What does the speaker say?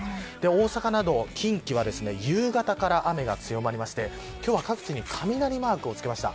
大阪など近畿は夕方から雨が強まりまして今日は各地に雷マークをつけました。